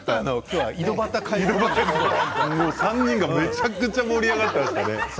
３人がめちゃくちゃ盛り上がっていますね。